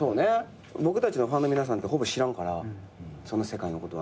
僕たちのファンの皆さんってほぼ知らんからその世界のこと。